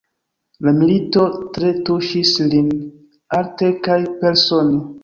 La milito tre tuŝis lin, arte kaj persone.